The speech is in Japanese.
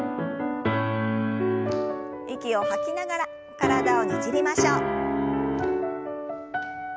息を吐きながら体をねじりましょう。